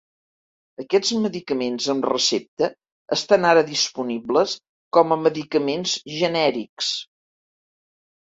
Aquests medicaments amb recepta estan ara disponibles com a medicaments genèrics.